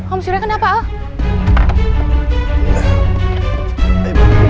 om suri kenapa al